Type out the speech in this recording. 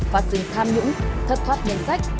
và dừng tham nhũng thất thoát nhanh sách